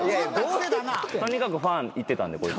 とにかくファンいってたんでこいつは。